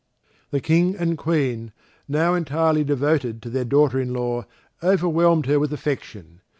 The King and Queen, now entirely devoted to their daughter in law, overwhelmed her with affection.